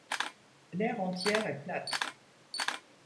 L'aire entière est plate.